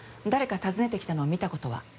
誰か訪ねてきたのを見た事は？